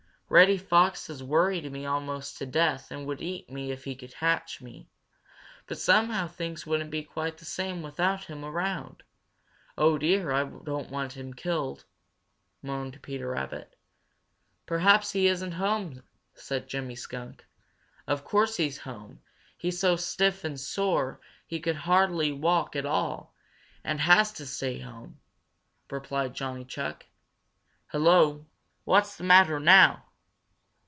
"Reddy Fox has worried me almost to death and would eat me if he could catch me, but somehow things wouldn't be quite the same without him around. Oh dear, I don't want him killed," moaned Peter Rabbit. "Perhaps he isn't home," said Jimmy Skunk. "Of course he's home; he's so stiff and sore he can hardly walk at all and has to stay home," replied Johnny Chuck. "Hello, what's the matter now?"